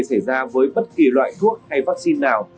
xảy ra với bất kỳ loại thuốc hay vắc xin nào